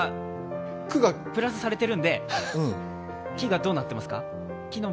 「く」がプラスされてるので「き」がどうなってますか？